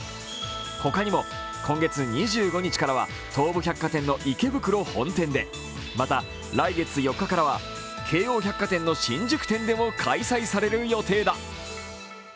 他にも今月２５日からは東武百貨店の池袋本店でまた、来月４日からは京王百貨店の新宿店でも開催される予定だ。